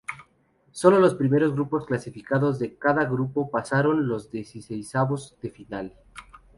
Solo los primeros clasificados de cada grupo pasaron a los dieciseisavos de final.